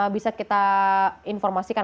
bisa kita informasikan